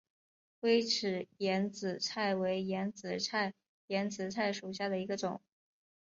微齿眼子菜为眼子菜科眼子菜属下的一个种。